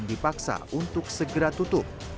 dipaksa untuk segera tutup